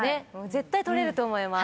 絶対取れると思います。